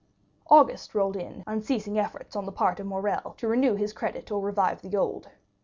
20049m August rolled by in unceasing efforts on the part of Morrel to renew his credit or revive the old.